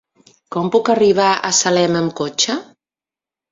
Com puc arribar a Salem amb cotxe?